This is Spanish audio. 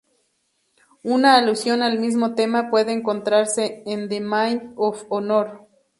Una alusión al mismo tema puede encontrarse en "The Maid of Honor".